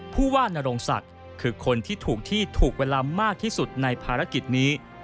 ผู้ว่านโรงศักดิ์คือคนที่ถูกที่ถูกเวลามากที่สุดในภารกิจนี้